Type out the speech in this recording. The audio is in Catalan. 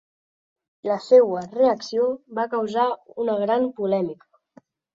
La seua reacció va causar una gran polèmica.